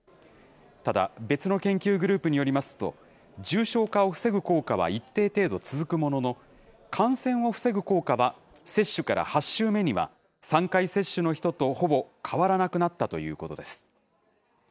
ただ、別の研究グループによりますと、重症化を防ぐ効果は一定程度続くものの、感染を防ぐ効果は、接種から８週目には、３回接種の人とほぼ変わらなくなったということです。